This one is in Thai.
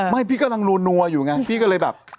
พี่กำลังนัวอยู่ไงพี่ก็เลยแบบ